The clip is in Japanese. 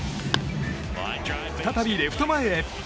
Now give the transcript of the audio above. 再びレフト前へ。